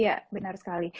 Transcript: iya benar sekali